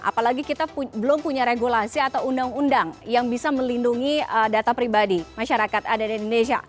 apalagi kita belum punya regulasi atau undang undang yang bisa melindungi data pribadi masyarakat ada di indonesia